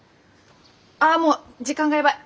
あもう時間がやばい。